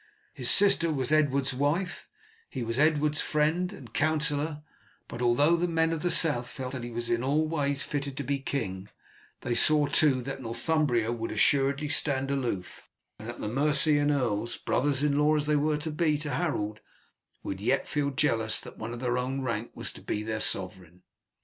His sister was Edward's wife, he was Edward's friend and counsellor, but although the men of the South felt that he was in all ways fitted to be king, they saw too that Northumbria would assuredly stand aloof, and that the Mercian earls, brothers in law as they were to be to Harold, would yet feel jealous that one of their own rank was to be their sovereign.